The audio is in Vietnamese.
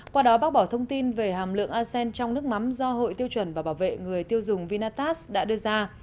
qua đó bác bỏ thông tin về hàm lượng arsen trong nước mắm do hội tiêu chuẩn và bảo vệ người tiêu dùng vinatast đã đưa ra